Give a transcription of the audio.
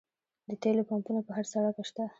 د تیلو پمپونه په هر سړک شته